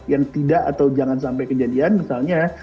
yang tidak atau jangan sampai kejadian misalnya